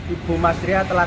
ibu mas ria telah